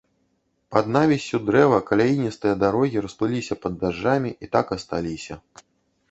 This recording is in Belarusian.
Пад навіссю дрэва каляіністыя дарогі расплыліся пад дажджамі і так асталіся.